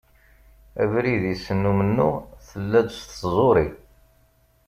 Abrid-is n umennuɣ tella-d s tẓuri.